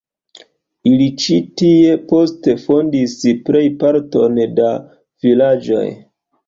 Ili ĉi tie poste fondis plejparton da vilaĝoj.